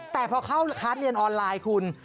แต่พอเข้าค้าเรียนออนไลน์คุณ